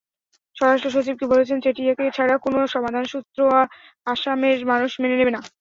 স্বরাষ্ট্রসচিবকে বলেছেন, চেটিয়াকে ছাড়া কোনো সমাধানসূত্র আসামের মানুষ মেনে নেবে না।